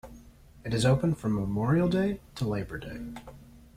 It is open from Memorial Day to Labor Day.